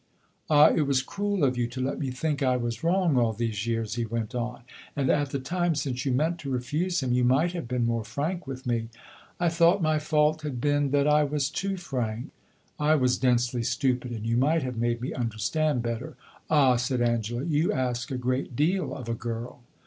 "Ah, it was cruel of you to let me think I was wrong all these years," he went on; "and, at the time, since you meant to refuse him, you might have been more frank with me." "I thought my fault had been that I was too frank." "I was densely stupid, and you might have made me understand better." "Ah," said Angela, "you ask a great deal of a girl!"